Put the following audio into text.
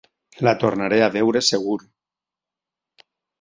La tornaré a veure segur!